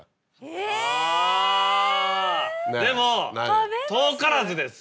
えぇ？でも遠からずです。